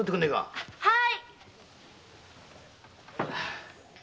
はい。